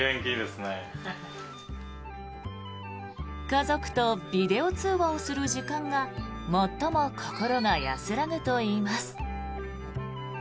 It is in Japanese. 家族とビデオ通話をする時間が最も心が安らぐといいます。